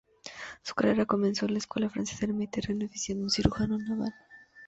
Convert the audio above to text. Su carrera comenzó en la escuadra francesa del Mediterráneo, oficiando como cirujano naval.